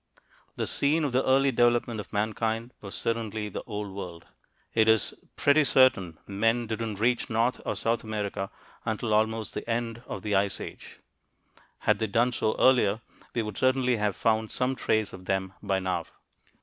The scene of the early development of mankind was certainly the Old World. It is pretty certain men didn't reach North or South America until almost the end of the Ice Age had they done so earlier we would certainly have found some trace of them by now.